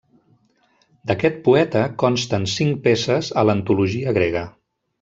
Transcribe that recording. D'aquest poeta consten cinc peces a l'antologia grega.